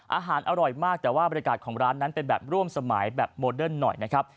อร่อยมากแต่ว่าบริการของร้านนั้นเป็นแบบร่วมสมัยแบบโมเดิร์นหน่อยนะครับ